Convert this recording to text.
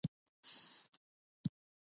څنګه نور نه کېنو؟ سهارنۍ به هم وخورو.